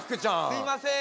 すいません。